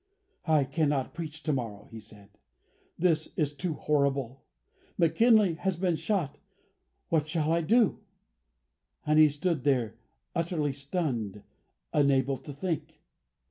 "I cannot preach to morrow," he said. "This is too horrible. McKinley has been shot. What shall I do?" And he stood there utterly stunned; unable to think.